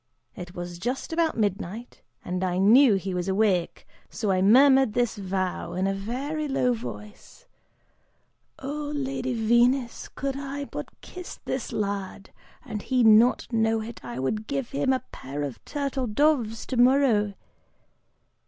It was just about midnight, and I knew he was awake, so I murmured this vow, in a very low voice, 'Oh Lady Venus, could I but kiss this lad, and he not know it, I would give him a pair of turtle doves tomorrow!